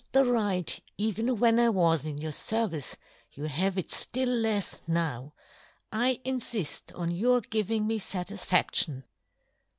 25 " the right even when I was in your " fervice, you have it ftill lefs now. " I infift on your giving me fatisfac " tion